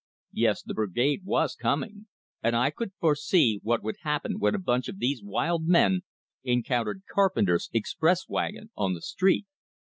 Yes, the Brigade was coming; and I could foresee what would happen when a bunch of these wild men encountered Carpenter's express wagon on the street!